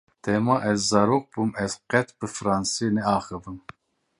Dema ez zarok bûm ez qet bi fransî neaxivîm.